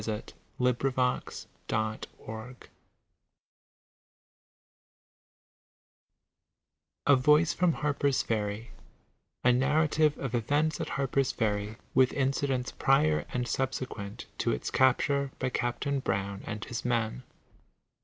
See other formats A VOICE FROM HARPER'S FERRY* A NARRATIVE OF EVENTS AT HARPER'S FERRY; WITH INCIDENTS PRIOR AND SUBSEQUENT TO ITS CAPTURE BY CAPTAIN BROWN AND HIS MEN.